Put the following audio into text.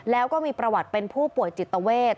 แล้วก็มีประวัติเป็นผู้ป่วยจิตเวท